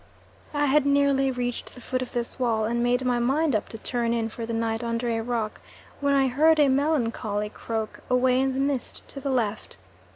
I had nearly reached the foot of this wall and made my mind up to turn in for the night under a rock, when I heard a melancholy croak away in the mist to the left.